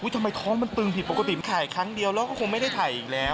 ทำไมท้องมันตึงผิดปกติมันถ่ายครั้งเดียวแล้วก็คงไม่ได้ถ่ายอีกแล้ว